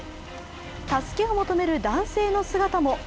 助けを求める男性の姿も。